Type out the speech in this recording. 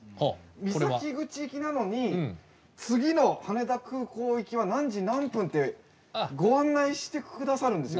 三崎口行きなのに次の羽田空港行きは何時何分ってご案内して下さるんですよ。